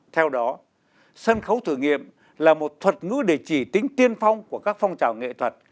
theo đó sân khấu thử nghiệm là một thuật ngữ để chỉ tính tiên phong của các phong trào nghệ thuật